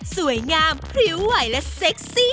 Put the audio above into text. สวยงามพริ้วไหวและเซ็กซี่